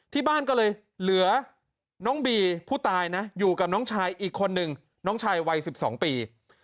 ที่บ้านก็เลยเหลือน้องบีผู้ตายนะอยู่กับน้องชายอีกคนนึงน้องชายวัย๑๒ปี